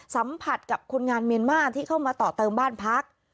สัมผัสกับคนงานเมียนมาร์ที่เข้ามาต่อเติมบ้านพัก